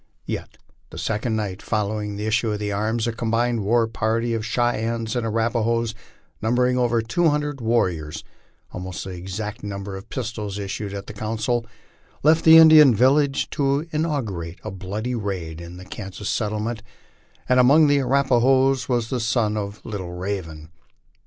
Yet the second night following the issue of arms, a combined war party of Cheyennes and Arapahoes, numbering over two hundred warriors, almost the exact number of pistols issued at the council, left the Indian village to inaugurate a bloody raid in the Kansas settle ments ; and among the Arapahoes was the son of Little Raven.